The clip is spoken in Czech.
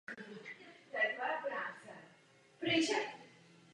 Předpokládat něco jiného by bylo nepoctivé vůči našim úředníkům.